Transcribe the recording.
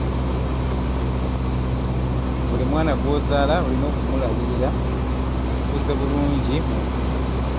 Buli mwana gw'ozaala olina okumulabiririra, omukuze bulungi mu mpisa.